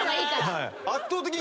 はい。